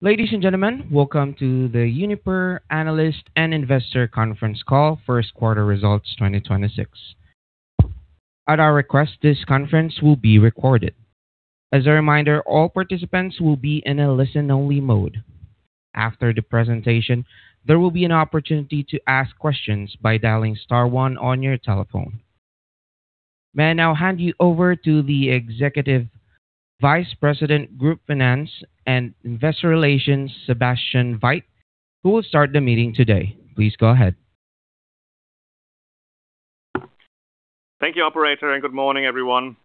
Ladies and gentlemen, welcome to the Uniper Analyst and Investor Conference Call First Quarter Results 2026. May I now hand you over to the Executive Vice President Group Finance and Investor Relations, Sebastian Veit, who will start the meeting today. Please go ahead. Thank you, operator, good morning, everyone.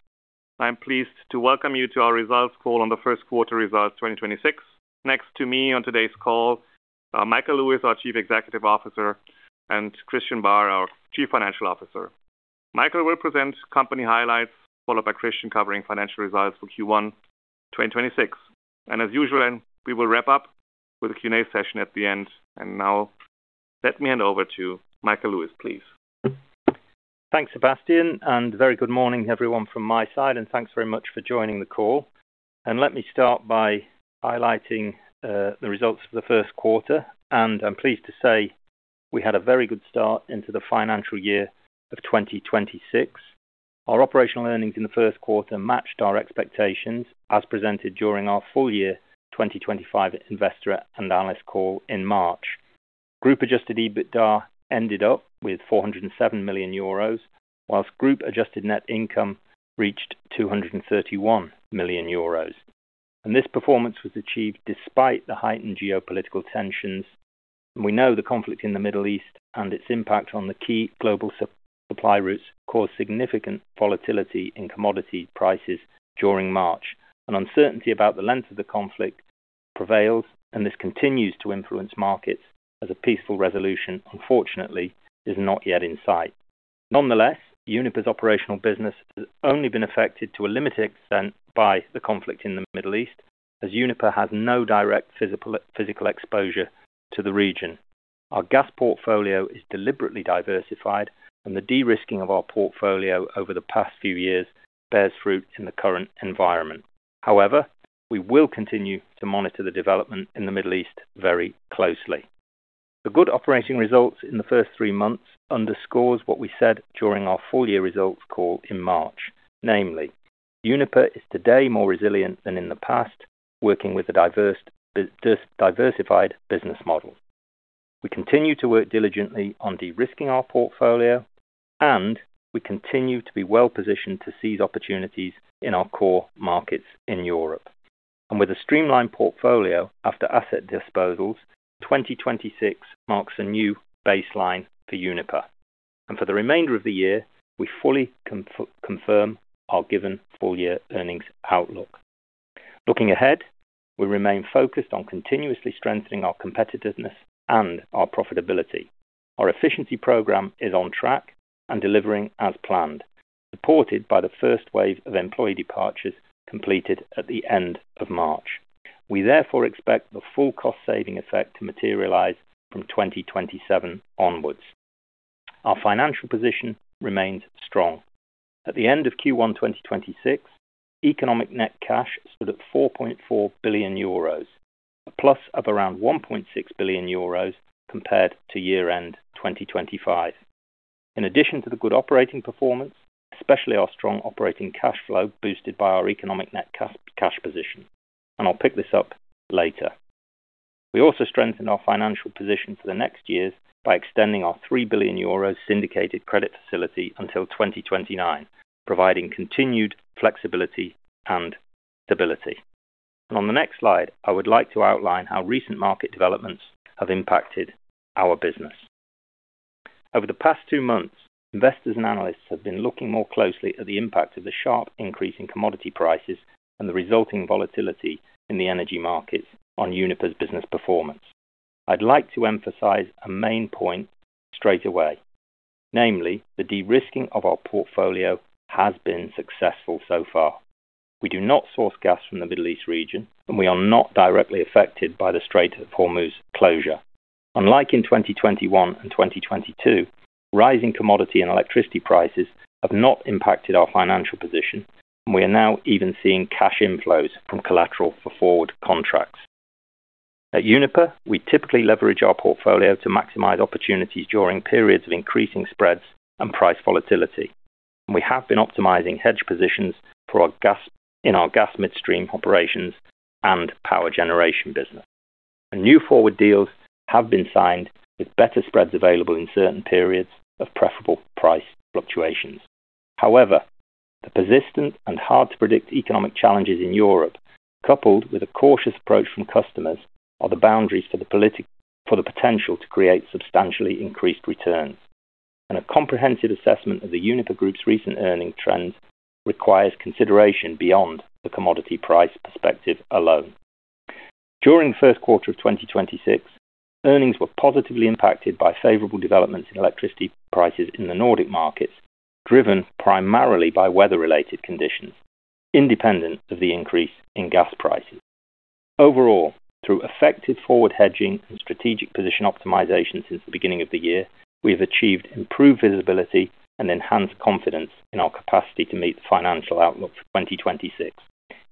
I'm pleased to welcome you to our results call on the first quarter results 2026. Next to me on today's call are Michael Lewis, our Chief Executive Officer, and Christian Barr, our Chief Financial Officer. Michael will present company highlights, followed by Christian covering financial results for Q1 2026. As usual, we will wrap up with a Q and A session at the end. Now let me hand over to Michael Lewis, please. Thanks, Sebastian, and a very good morning everyone from my side, and thanks very much for joining the call. Let me start by highlighting the results for the first quarter, and I'm pleased to say we had a very good start into the financial year of 2026. Our operational earnings in the first quarter matched our expectations as presented during our full- year 2025 investor and analyst call in March. Group adjusted EBITDA ended up with 407 million euros, whilst Group adjusted net income reached 231 million euros. This performance was achieved despite the heightened geopolitical tensions. We know the conflict in the Middle East and its impact on the key global supply routes caused significant volatility in commodity prices during March. Uncertainty about the length of the conflict prevails, and this continues to influence markets as a peaceful resolution, unfortunately, is not yet in sight. Nonetheless, Uniper's operational business has only been affected to a limited extent by the conflict in the Middle East, as Uniper has no direct physical exposure to the region. Our gas portfolio is deliberately diversified, and the de-risking of our portfolio over the past few years bears fruit in the current environment. However, we will continue to monitor the development in the Middle East very closely. The good operating results in the first three months underscores what we said during our full-year results call in March. Namely, Uniper is today more resilient than in the past, working with a diversified business model. We continue to work diligently on de-risking our portfolio. We continue to be well-positioned to seize opportunities in our core markets in Europe. With a streamlined portfolio after asset disposals, 2026 marks a new baseline for Uniper. For the remainder of the year, we fully confirm our given full-year earnings outlook. Looking ahead, we remain focused on continuously strengthening our competitiveness and our profitability. Our efficiency program is on track and delivering as planned, supported by the first wave of employee departures completed at the end of March. We therefore expect the full cost-saving effect to materialize from 2027 onwards. Our financial position remains strong. At the end of Q1 2026, economic net cash stood at 4.4 billion euros, a plus of around 1.6 billion euros compared to year-end 2025. In addition to the good operating performance, especially our strong operating cash flow boosted by our economic net cash position. I'll pick this up later. We also strengthened our financial position for the next years by extending our three billion euros syndicated credit facility until 2029, providing continued flexibility and stability. On the next slide, I would like to outline how recent market developments have impacted our business. Over the past two months, investors and analysts have been looking more closely at the impact of the sharp increase in commodity prices and the resulting volatility in the energy markets on Uniper's business performance. I'd like to emphasize a main point straight away. Namely, the de-risking of our portfolio has been successful so far. We do not source gas from the Middle East region, and we are not directly affected by the Strait of Hormuz closure. Unlike in 2021 and 2022, rising commodity and electricity prices have not impacted our financial position, and we are now even seeing cash inflows from collateral for forward contracts. At Uniper, we typically leverage our portfolio to maximize opportunities during periods of increasing spreads and price volatility. We have been optimizing hedge positions for our gas midstream operations and power generation business. New forward deals have been signed with better spreads available in certain periods of preferable price fluctuations. However, the persistent and hard-to-predict economic challenges in Europe, coupled with a cautious approach from customers, are the boundaries for the potential to create substantially increased returns. A comprehensive assessment of the Uniper Group's recent earning trends requires consideration beyond the commodity price perspective alone. During the first quarter of 2026, earnings were positively impacted by favorable developments in electricity prices in the Nordic markets, driven primarily by weather-related conditions independent of the increase in gas prices. Overall, through effective forward hedging and strategic position optimization since the beginning of the year, we have achieved improved visibility and enhanced confidence in our capacity to meet the financial outlook for 2026,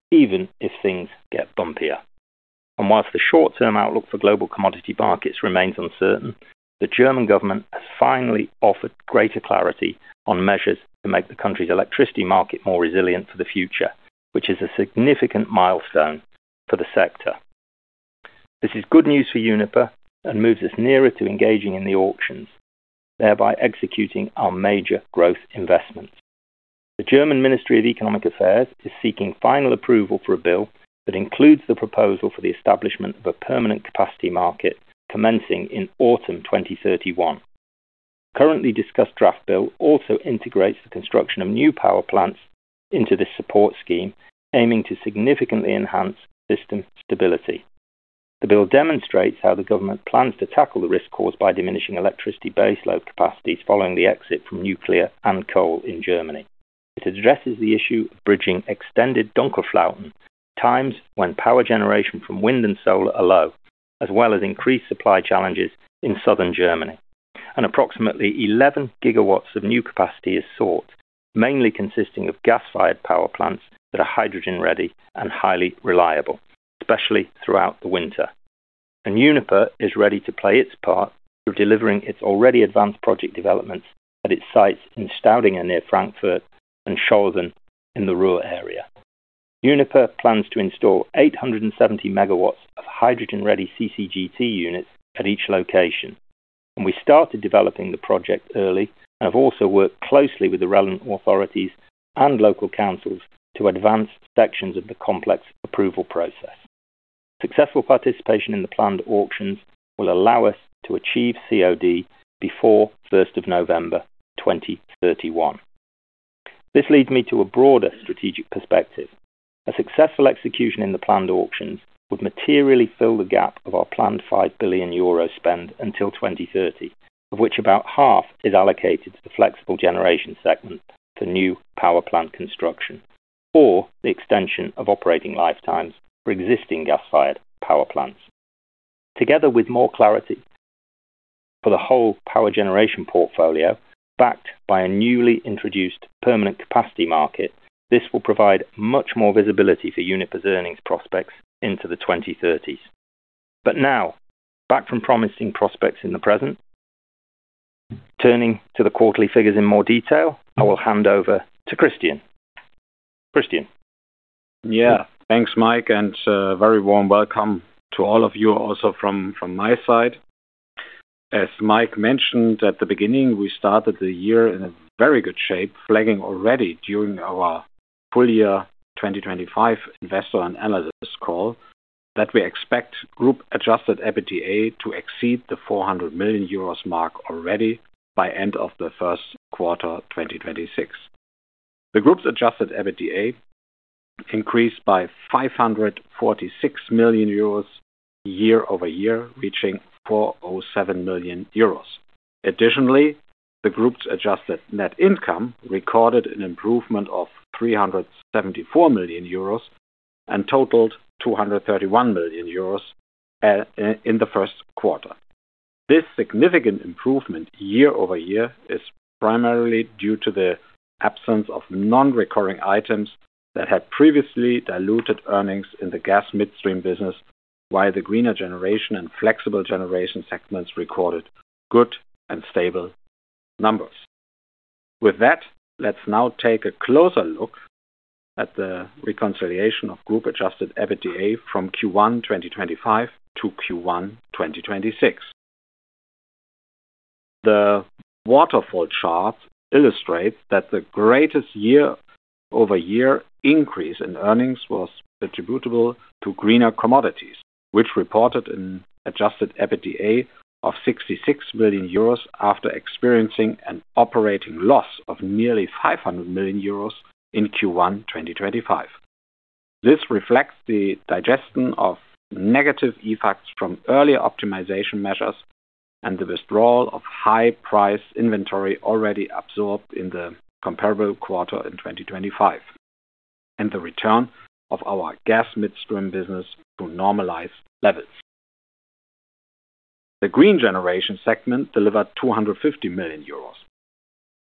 even if things get bumpier. Whilst the short-term outlook for global commodity markets remains uncertain, the German government has finally offered greater clarity on measures to make the country's electricity market more resilient for the future, which is a significant milestone for the sector. This is good news for Uniper and moves us nearer to engaging in the auctions, thereby executing our major growth investments. The German Ministry of Economic Affairs is seeking final approval for a bill that includes the proposal for the establishment of a permanent capacity market commencing in autumn 2031. Currently discussed draft bill also integrates the construction of new power plants into this support scheme, aiming to significantly enhance system stability. The bill demonstrates how the government plans to tackle the risk caused by diminishing electricity base load capacities following the exit from nuclear and coal in Germany. It addresses the issue of bridging extended Dunkelflauten, times when power generation from wind and solar are low, as well as increased supply challenges in Southern Germany. Approximately 11 gigawatts of new capacity is sought, mainly consisting of gas-fired power plants that are hydrogen-ready and highly reliable, especially throughout the winter. Uniper is ready to play its part through delivering its already advanced project developments at its sites in Staudinger near Frankfurt and Scholven in the Ruhr area. Uniper plans to install 870 MW of hydrogen-ready CCGT units at each location. We started developing the project early and have also worked closely with the relevant authorities and local councils to advance sections of the complex approval process. Successful participation in the planned auctions will allow us to achieve COD before November 1, 2031. This leads me to a broader strategic perspective. A successful execution in the planned auctions would materially fill the gap of our planned 5 billion euro spend until 2030, of which about half is allocated to the flexible generation segment for new power plant construction or the extension of operating lifetimes for existing gas-fired power plants. Together with more clarity for the whole power generation portfolio, backed by a newly introduced permanent capacity market, this will provide much more visibility for Uniper's earnings prospects into the 2030s. Now, back from promising prospects in the present, turning to the quarterly figures in more detail, I will hand over to Christian. Christian? Thanks, Mike, and a very warm welcome to all of you also from my side. As Mike mentioned at the beginning, we started the year in a very good shape, flagging already during our full- year 2025 investor and analyst call that we expect group Adjusted EBITDA to exceed the 400 million euros mark already by end of the first quarter 2026. The group's Adjusted EBITDA increased by 546 million euros year-over-year, reaching 407 million euros. Additionally, the group's Adjusted Net Income recorded an improvement of 374 million euros and totaled 231 million euros in the first quarter. This significant improvement year-over-year is primarily due to the absence of non-recurring items that had previously diluted earnings in the gas midstream business, while the green generation and flexible generation segments recorded good and stable numbers. With that, let's now take a closer look at the reconciliation of group Adjusted EBITDA from Q1 2025 to Q1 2026. The waterfall chart illustrates that the greatest year-over-year increase in earnings was attributable to greener commodities, which reported an Adjusted EBITDA of 66 million euros after experiencing an operating loss of nearly 500 million euros in Q1 2025. This reflects the digestion of negative effects from early optimization measures and the withdrawal of high-priced inventory already absorbed in the comparable quarter in 2025, and the return of our gas midstream business to normalized levels. The green generation segment delivered 250 million euros,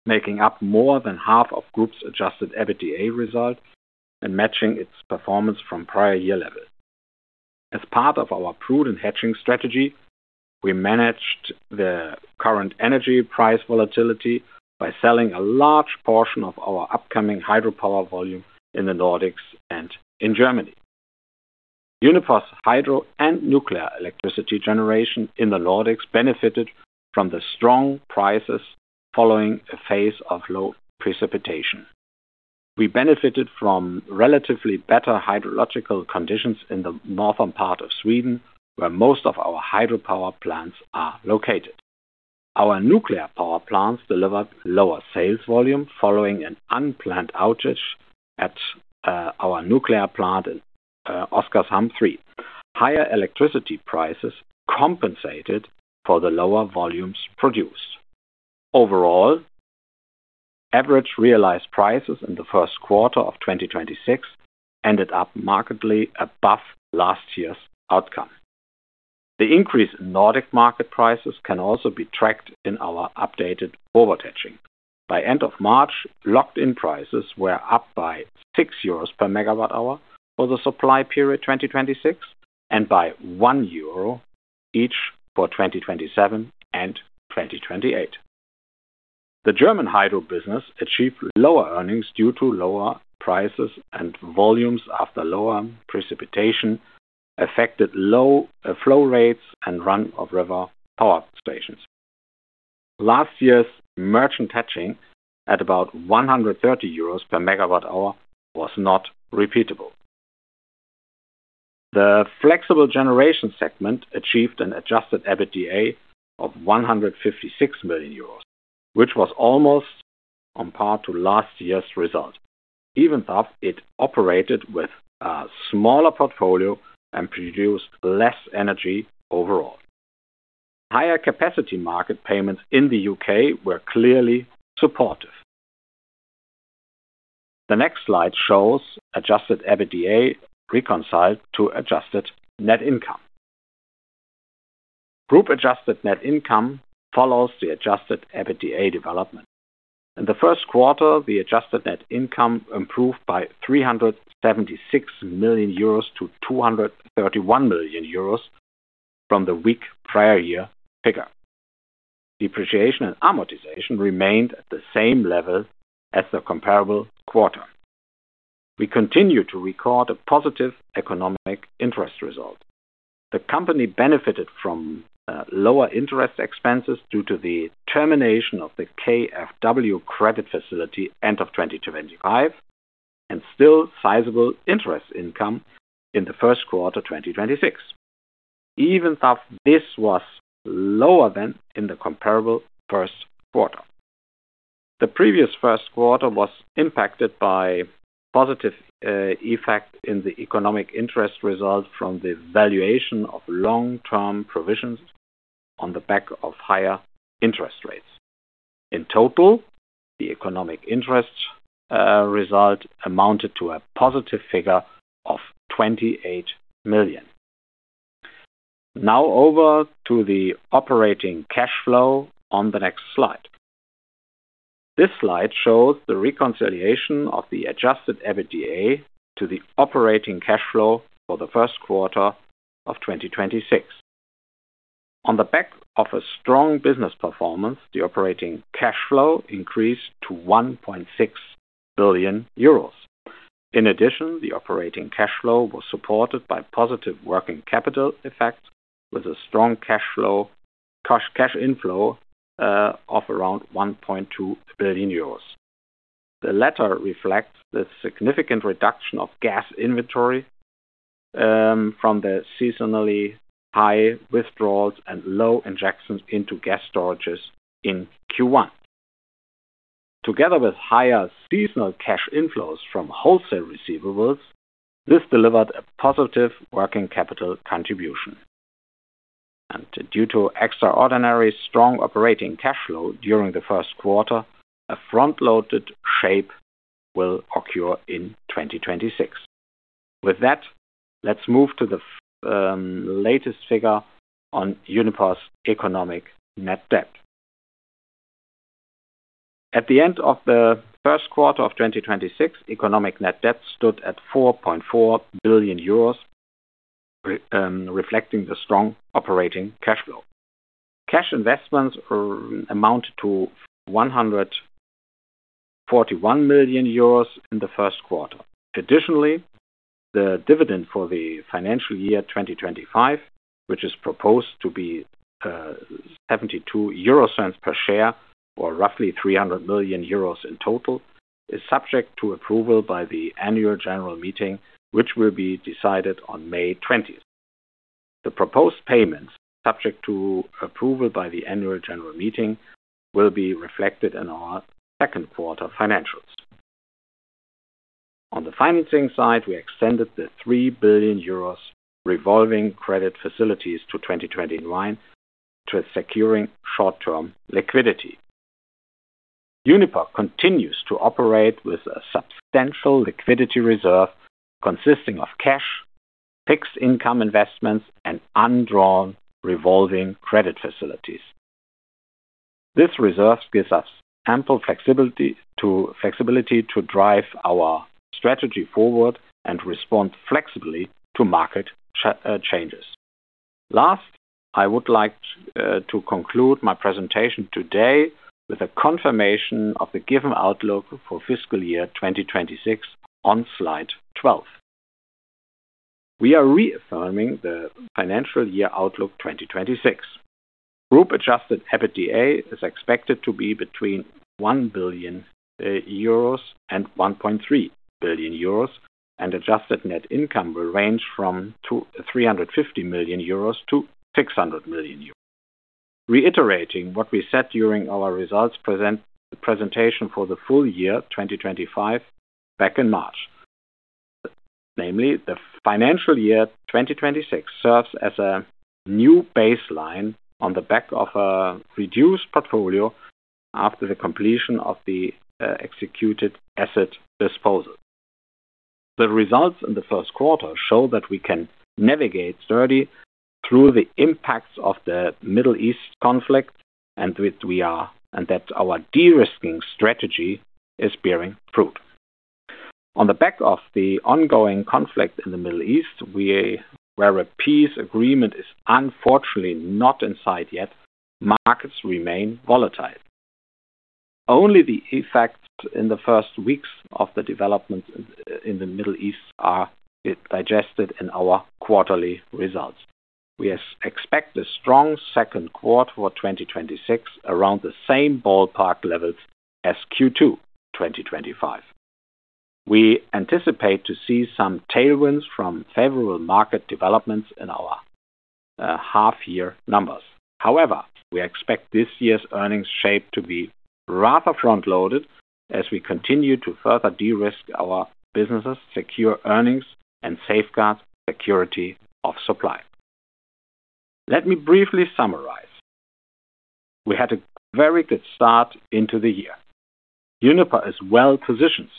making up more than half of group's Adjusted EBITDA results and matching its performance from prior year levels. As part of our prudent hedging strategy, we managed the current energy price volatility by selling a large portion of our upcoming hydropower volume in the Nordics and in Germany. Uniper's hydro and nuclear electricity generation in the Nordics benefited from the strong prices following a phase of low precipitation. We benefited from relatively better hydrological conditions in the northern part of Sweden, where most of our hydropower plants are located. Our nuclear power plants delivered lower sales volume following an unplanned outage at our nuclear plant in Oskarshamn 3. Higher electricity prices compensated for the lower volumes produced. Overall, average realized prices in the first quarter of 2026 ended up markedly above last year's outcome. The increase in Nordic market prices can also be tracked in our updated forward hedging. By end of March, locked-in prices were up by 6 euros per megawatt hour for the supply period 2026, and by 1 euro each for 2027 and 2028. The German hydro business achieved lower earnings due to lower prices and volumes after lower precipitation affected low flow rates and run-of-river power stations. Last year's merchant hedging at about 130 euros per megawatt hour was not repeatable. The flexible generation segment achieved an Adjusted EBITDA of 156 million euros, which was almost on par to last year's result, even though it operated with a smaller portfolio and produced less energy overall. Higher capacity market payments in the U.K. were clearly supportive. The next slide shows Adjusted EBITDA reconciled to Adjusted Net Income. Group Adjusted Net Income follows the Adjusted EBITDA development. In the first quarter, the Adjusted Net Income improved by 376 million euros to 231 million euros from the weak prior year figure. Depreciation and amortization remained at the same level as the comparable quarter. We continue to record a positive economic interest result. The company benefited from lower interest expenses due to the termination of the KfW credit facility end of 2025 and still sizable interest income in the first quarter 2026, even though this was lower than in the comparable first quarter. The previous first quarter was impacted by positive effect in the economic interest result from the valuation of long-term provisions on the back of higher interest rates. In total, the economic interest result amounted to a positive figure of 28 million. Over to the operating cash flow on the next slide. This slide shows the reconciliation of the Adjusted EBITDA to the operating cash flow for the first quarter of 2026. On the back of a strong business performance, the operating cash flow increased to 1.6 billion euros. In addition, the operating cash flow was supported by positive working capital effect with a strong cash inflow of around 1.2 billion euros. The latter reflects the significant reduction of gas inventory from the seasonally high withdrawals and low injections into gas storages in Q1. Together with higher seasonal cash inflows from wholesale receivables, this delivered a positive working capital contribution. Due to extraordinary strong operating cash flow during the first quarter, a front-loaded shape will occur in 2026. With that, let's move to the latest figure on Uniper's economic net debt. At the end of the first quarter of 2026, economic net debt stood at 4.4 billion euros, reflecting the strong operating cash flow. Cash investments amounted to 141 million euros in the first quarter. Additionally, the dividend for the financial year 2025, which is proposed to be 0.72 per share, or roughly 300 million euros in total, is subject to approval by the annual general meeting, which will be decided on May 20. The proposed payments, subject to approval by the annual general meeting, will be reflected in our second quarter financials. On the financing side, we extended the 3 billion euros revolving credit facilities to 2029 to securing short-term liquidity. Uniper continues to operate with a substantial liquidity reserve consisting of cash, fixed income investments, and undrawn revolving credit facilities. This reserve gives us ample flexibility to drive our strategy forward and respond flexibly to market changes. Last, I would like to conclude my presentation today with a confirmation of the given outlook for fiscal year 2026 on slide 12. We are reaffirming the financial year outlook 2026. Group Adjusted EBITDA is expected to be between 1 billion euros and 1.3 billion euros, and Adjusted Net Income will range from 350 million euros to 600 million euros. Reiterating what we said during our results presentation for the full- year 2025 back in March. Namely, the financial year 2026 serves as a new baseline on the back of a reduced portfolio after the completion of the executed asset disposal. The results in the first quarter show that we can navigate sturdy through the impacts of the Middle East conflict and that our de-risking strategy is bearing fruit. On the back of the ongoing conflict in the Middle East, where a peace agreement is unfortunately not in sight yet, markets remain volatile. Only the effects in the first weeks of the development in the Middle East are digested in our quarterly results. We expect a strong second quarter for 2026 around the same ballpark levels as Q2 2025. We anticipate to see some tailwinds from favorable market developments in our half-year numbers. However, we expect this year's earnings shape to be rather front-loaded as we continue to further de-risk our businesses, secure earnings, and safeguard security of supply. Let me briefly summarize. Uniper is well-positioned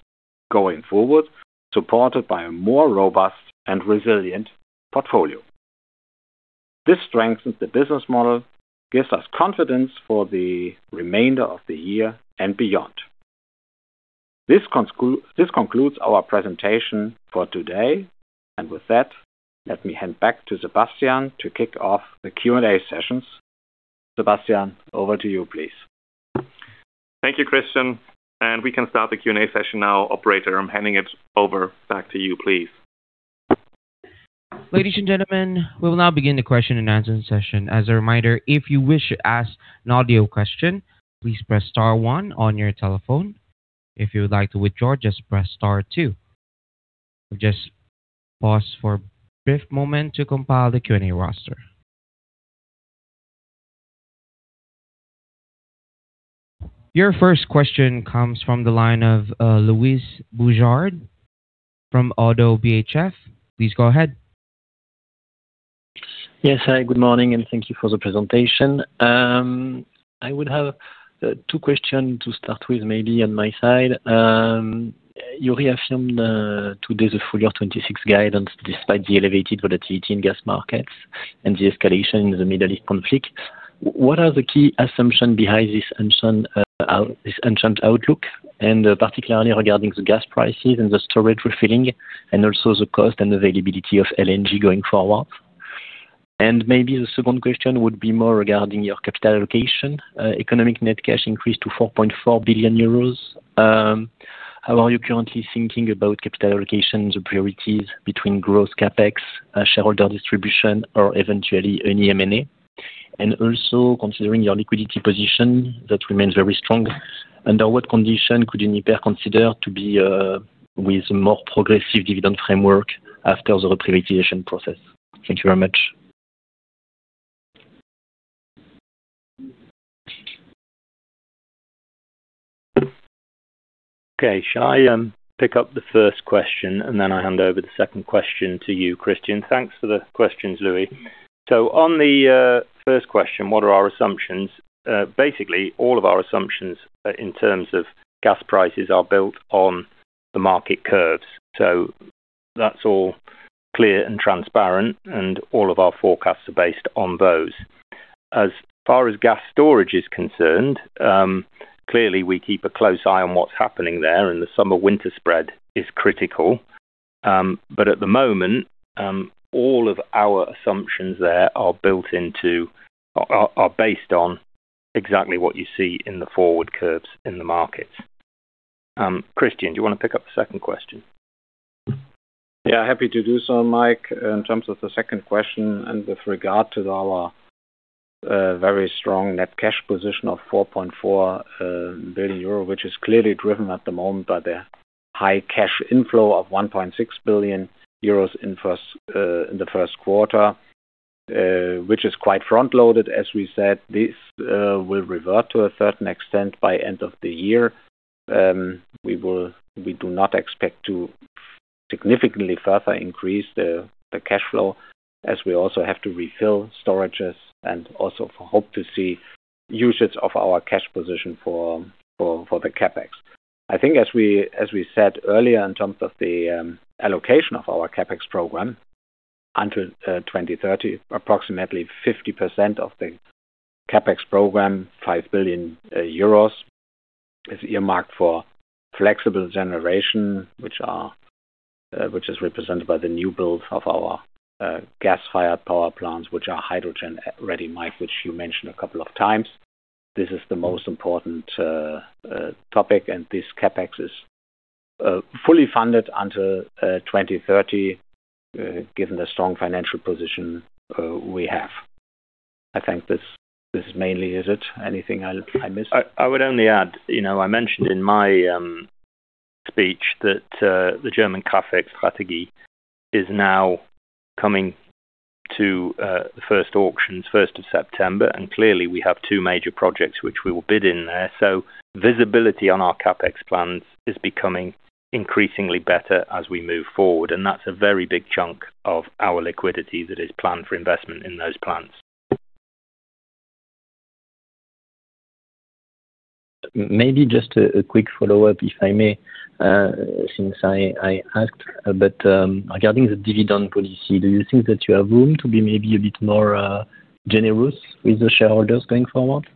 going forward, supported by a more robust and resilient portfolio. This strengthens the business model, gives us confidence for the remainder of the year and beyond. This concludes our presentation for today, and with that, let me hand back to Sebastian to kick off the Q and A sessions. Sebastian, over to you, please. Thank you, Christian. We can start the Q and A session now. Operator, I'm handing it over back to you, please. Ladies and gentlemen, we will now begin the question-and-answer session. As a reminder, if you wish to ask an audio question, please press star one on your telephone. If you would like to withdraw, just press star two. We just pause for a brief moment to compile the Q and A roster. Your first question comes from the line of Louis Boujard from ODDO BHF. Please go ahead. Yes. Hi, good morning, and thank you for the presentation. I would have two questions to start with maybe on my side. You reaffirmed today the full- year 2026 guidance despite the elevated volatility in gas markets and the escalation in the Middle East conflict. What are the key assumptions behind this outlook, and particularly regarding the gas prices and the storage refilling and also the cost and availability of LNG going forward? Maybe the second question would be more regarding your capital allocation. Economic net cash increased to 4.4 billion euros. How are you currently thinking about capital allocation, the priorities between growth CapEx, shareholder distribution, or eventually any M and A? Also considering your liquidity position that remains very strong, under what condition could Uniper consider to be with more progressive dividend framework after the reprivatization process? Thank you very much. Okay. Shall I pick up the first question, I hand over the second question to you, Christian? Thanks for the questions, Louis. On the first question, what are our assumptions? Basically, all of our assumptions in terms of gas prices are built on the market curves. That's all clear and transparent, and all of our forecasts are based on those. As far as gas storage is concerned, clearly we keep a close eye on what's happening there, and the summer-winter spread is critical. At the moment, all of our assumptions there are based on exactly what you see in the forward curves in the markets. Christian, do you wanna pick up the second question? Yeah, happy to do so, Mike. In terms of the second question and with regard to our very strong net cash position of 4.4 billion euro, which is clearly driven at the moment by the high cash inflow of 1.6 billion euros in the first quarter, which is quite front-loaded, as we said. This will revert to a certain extent by end of the year. We do not expect to significantly further increase the cash flow as we also have to refill storages and also hope to see usage of our cash position for the CapEx. I think as we said earlier, in terms of the allocation of our CapEx program until 2030, approximately 50% of the CapEx program, 5 billion euros, is earmarked for flexible generation, which are, which is represented by the new build of our gas-fired power plants, which are hydrogen-ready, Michael Lewis, which you mentioned a couple of times. This is the most important topic. This CapEx is fully funded until 2030, given the strong financial position we have. I think this is mainly. Is it anything I missed? I would only add, you know, I mentioned in my speech that the German capacity market strategy is now coming to the first auctions, first of September. Clearly, we have two major projects which we will bid in there. Visibility on our CapEx plans is becoming increasingly better as we move forward, and that's a very big chunk of our liquidity that is planned for investment in those plans. Maybe just a quick follow-up, if I may, since I asked. Regarding the dividend policy, do you think that you have room to be maybe a bit more generous with the shareholders going forward?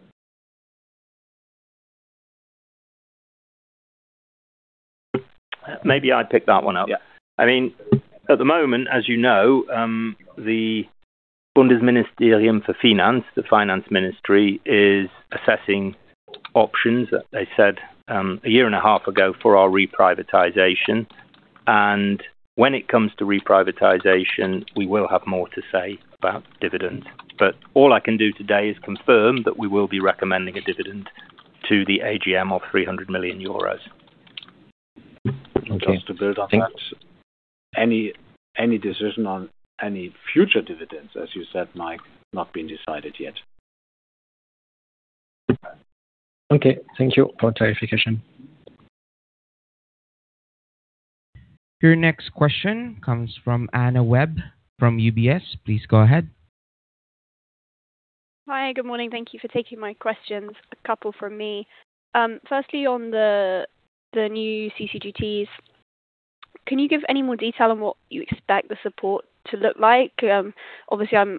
Maybe I pick that one up. Yeah. I mean, at the moment, as you know, the Bundesministerium der Finanzen, the finance ministry, is assessing options that they said a year and a half ago for our reprivatization. When it comes to reprivatization, we will have more to say about dividend. All I can do today is confirm that we will be recommending a dividend to the AGM of 300 million euros. Okay. Just to build on that. Any decision on any future dividends, as you said, Mike, not been decided yet. Okay. Thank you for clarification. Your next question comes from Anna Webb from UBS. Please go ahead. Good morning. Thank you for taking my questions. A couple from me. Firstly, on the new CCGTs, can you give any more detail on what you expect the support to look like? Obviously I'm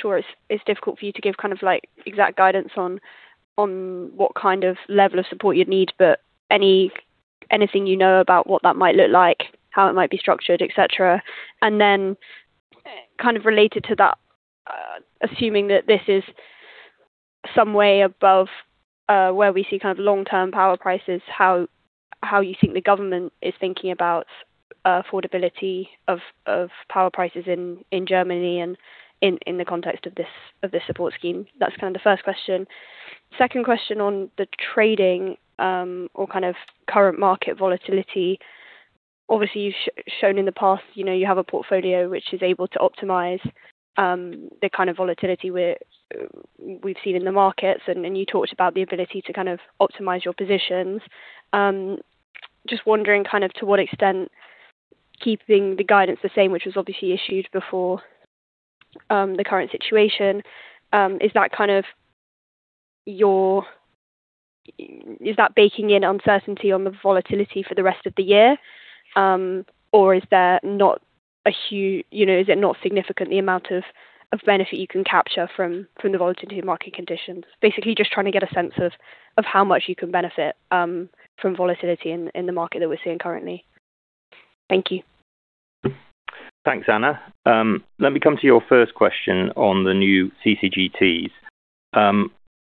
sure it's difficult for you to give kind of exact guidance on what kind of level of support you'd need, anything you know about what that might look like, how it might be structured, et cetera. Kind of related to that, assuming that this is some way above where we see kind of long-term power prices, how you think the government is thinking about affordability of power prices in Germany and in the context of this support scheme. That's kind of the first question. Second question on the trading, or kind of current market volatility. Obviously, you've shown in the past, you know, you have a portfolio which is able to optimize the kind of volatility we've seen in the markets, and you talked about the ability to kind of optimize your positions. Just wondering kind of to what extent keeping the guidance the same, which was obviously issued before the current situation, is that baking in uncertainty on the volatility for the rest of the year? Or is there not a, you know, is it not significant the amount of benefit you can capture from the volatility of market conditions? Basically, just trying to get a sense of how much you can benefit from volatility in the market that we're seeing currently. Thank you. Thanks, Anna. Let me come to your first question on the new CCGTs.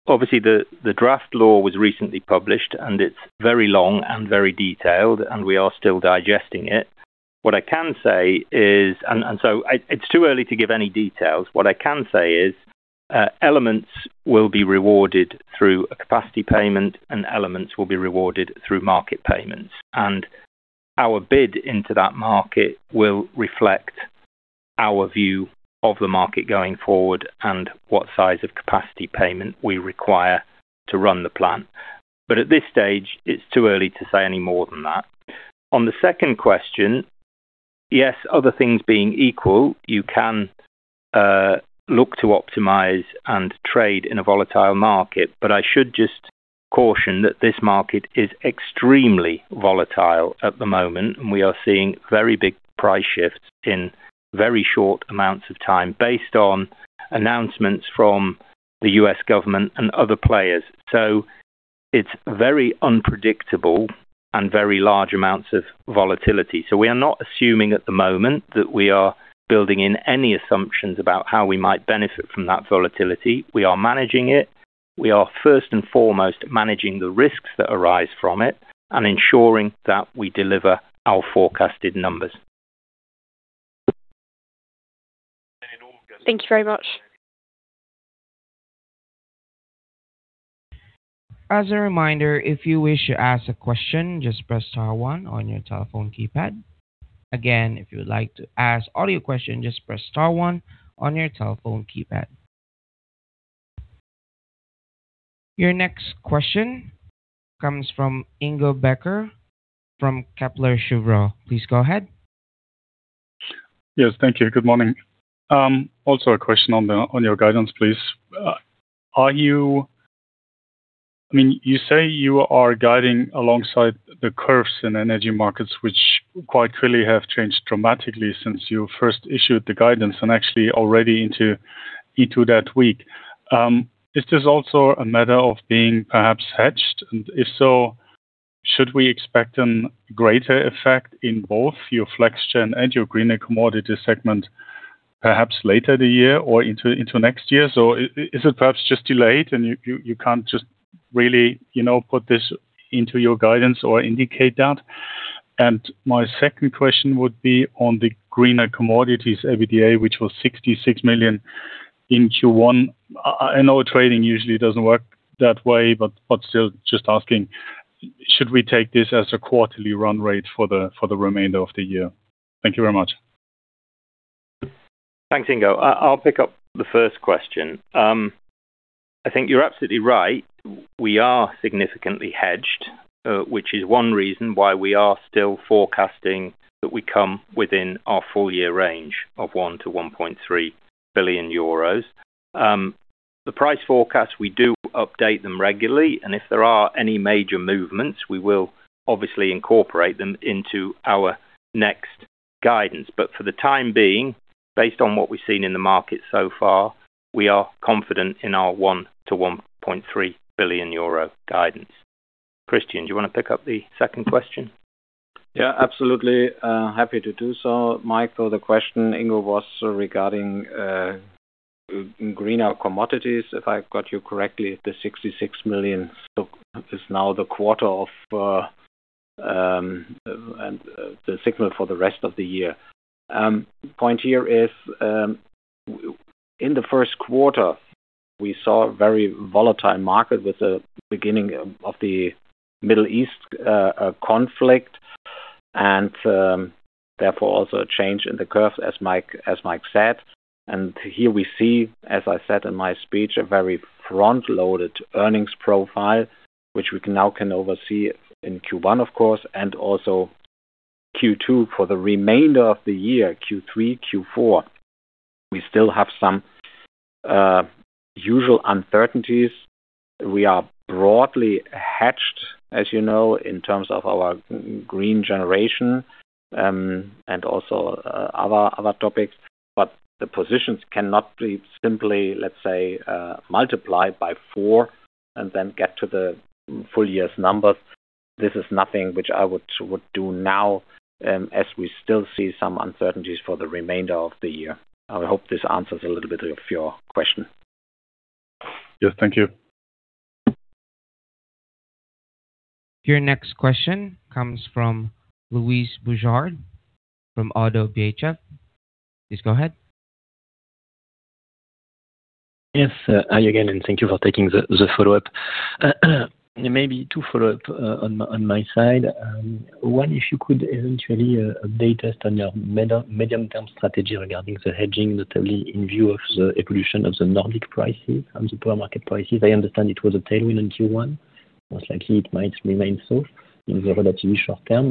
Obviously, the draft law was recently published, and it's very long and very detailed, and we are still digesting it. What I can say is it's too early to give any details. What I can say is elements will be rewarded through a capacity payment, and elements will be rewarded through market payments. Our bid into that market will reflect our view of the market going forward and what size of capacity payment we require to run the plant. At this stage, it's too early to say any more than that. On the second question, yes, other things being equal, you can look to optimize and trade in a volatile market. I should just caution that this market is extremely volatile at the moment, and we are seeing very big price shifts in very short amounts of time based on announcements from the U.S. government and other players. It's very unpredictable and very large amounts of volatility. We are not assuming at the moment that we are building in any assumptions about how we might benefit from that volatility. We are managing it. We are first and foremost managing the risks that arise from it and ensuring that we deliver our forecasted numbers. Thank you very much. Your next question comes from Ingo Becker from Kepler Cheuvreux. Please go ahead. Yes, thank you. Good morning. Also a question on the, on your guidance, please. I mean, you say you are guiding alongside the curves in energy markets, which quite clearly have changed dramatically since you first issued the guidance and actually already into that week. Is this also a matter of being perhaps hedged? If so, should we expect a greater effect in both your flex gen and your greener commodity segment perhaps later the year or into next year? Is it perhaps just delayed and you can't just really, you know, put this into your guidance or indicate that? My second question would be on the greener commodities EBITDA, which was 66 million in Q1. I know trading usually doesn't work that way, but still just asking, should we take this as a quarterly run rate for the remainder of the year? Thank you very much. Thanks, Ingo. I'll pick up the first question. I think you're absolutely right. We are significantly hedged, which is one reason why we are still forecasting that we come within our full- year range of 1 billion-1.3 billion euros. The price forecast, we do update them regularly, and if there are any major movements, we will obviously incorporate them into our next guidance. For the time being, based on what we've seen in the market so far, we are confident in our 1 billion-1.3 billion euro guidance. Christian, do you wanna pick up the second question? Yeah, absolutely. Happy to do so. Michael, the question Ingo was regarding greener commodities. If I've got you correctly, the 66 million is now the quarter of and the signal for the rest of the year. Point here is, in the first quarter, we saw a very volatile market with the beginning of the Middle East conflict and, therefore, also a change in the curve, as Mike said. Here we see, as I said in my speech, a very front-loaded earnings profile, which we can now oversee in Q1, of course, and also Q2 for the remainder of the year, Q3, Q4. We still have some usual uncertainties. We are broadly hedged, as you know, in terms of our green generation and also other topics. The positions cannot be simply, let's say, multiplied by four and then get to the full- year's numbers. This is nothing which I would do now, as we still see some uncertainties for the remainder of the year. I hope this answers a little bit of your question. Yes. Thank you. Your next question comes from Louis Boujard, from ODDO BHF. Please go ahead. Yes, hi again, thank you for taking the follow-up. Maybe two follow-up on my side. One, if you could eventually update us on your medium term strategy regarding the hedging, notably in view of the evolution of the Nordic prices and the power market prices. I understand it was a tailwind in Q1. Most likely it might remain so in the relatively short -term.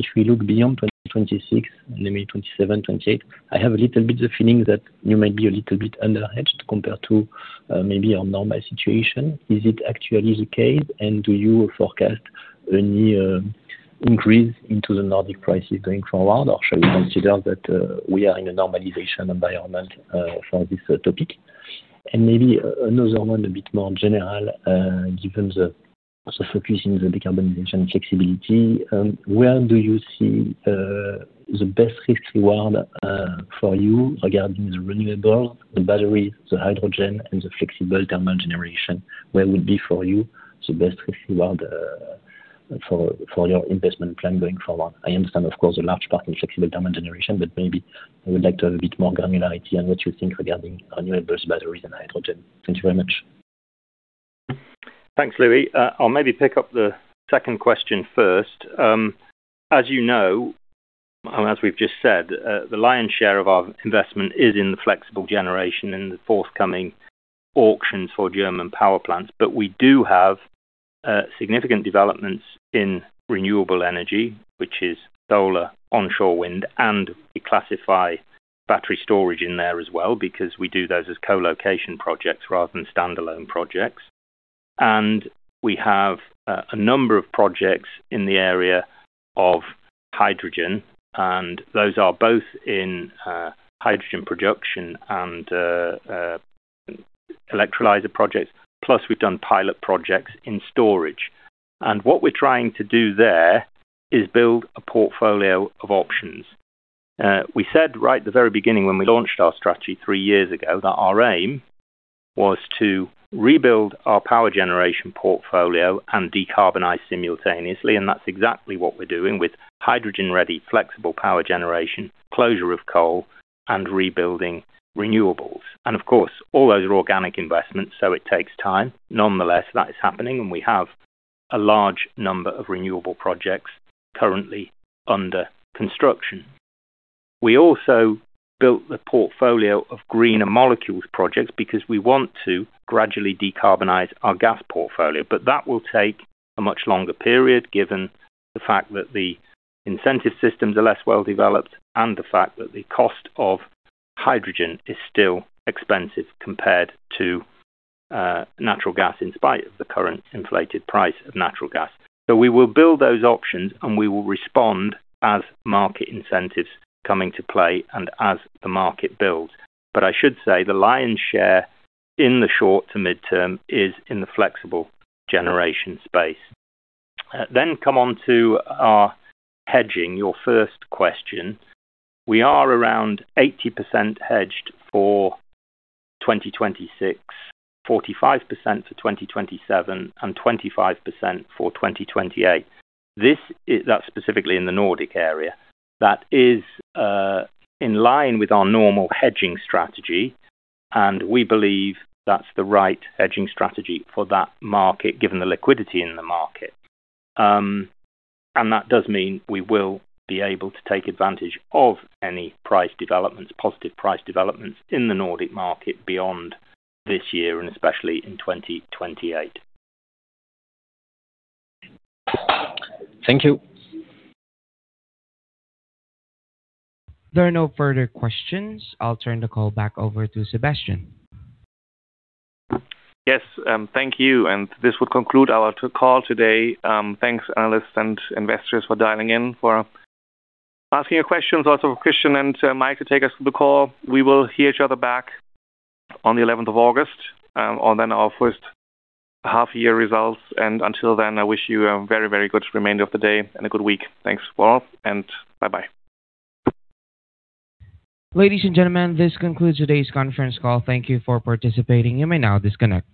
If we look beyond 2026, maybe 2027, 2028, I have a little bit of feeling that you might be a little bit under hedged compared to maybe a normal situation. Is it actually the case? Do you forecast any increase into the Nordic prices going forward? Should we consider that we are in a normalization environment for this topic? Maybe another one a bit more general, given the focus in the decarbonization flexibility, where do you see the best risk reward for you regarding the renewable, the battery, the hydrogen, and the flexible thermal generation? Where would be for you the best risk reward for your investment plan going forward? I understand, of course, a large part in flexible thermal generation, but maybe I would like to have a bit more granularity on what you think regarding renewables, batteries and hydrogen. Thank you very much. Thanks, Louis. I'll maybe pick up the second question first. As you know, and as we've just said, the lion's share of our investment is in the flexible generation in the forthcoming auctions for German power plants. We do have significant developments in renewable energy, which is solar, onshore wind, and we classify battery storage in there as well because we do those as co-location projects rather than standalone projects. We have a number of projects in the area of hydrogen, and those are both in hydrogen production and electrolyzer projects, plus we've done pilot projects in storage. What we're trying to do there is build a portfolio of options. We said right at the very beginning when we launched our strategy three years ago, that our aim was to rebuild our power generation portfolio and decarbonize simultaneously. That's exactly what we're doing with hydrogen-ready flexible power generation, closure of coal, and rebuilding renewables. Of course, all those are organic investments, so it takes time. Nonetheless, that is happening, and we have a large number of renewable projects currently under construction. We also built the portfolio of greener molecules projects because we want to gradually decarbonize our gas portfolio. That will take a much longer period, given the fact that the incentive systems are less well-developed and the fact that the cost of hydrogen is still expensive compared to natural gas, in spite of the current inflated price of natural gas. We will build those options, and we will respond as market incentives coming to play and as the market builds. I should say the lion's share in the short to midterm is in the flexible generation space. Come on to our hedging, your first question. We are around 80% hedged for 2026, 45% for 2027, and 25% for 2028. That's specifically in the Nordic area. That is in line with our normal hedging strategy, and we believe that's the right hedging strategy for that market, given the liquidity in the market. That does mean we will be able to take advantage of any price developments, positive price developments in the Nordic market beyond this year and especially in 2028. Thank you. There are no further questions. I'll turn the call back over to Sebastian. Yes, thank you. This would conclude our call today. Thanks, analysts and investors for dialing in, for asking your questions. Also Christian and Mike to take us through the call. We will hear each other back on the 11th of August, on then our first half year results. Until then, I wish you a very, very good remainder of the day and a good week. Thanks for all, and bye-bye. Ladies and gentlemen, this concludes today's conference call. Thank you for participating. You may now disconnect.